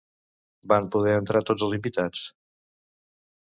Van poder entrar tots els invitats?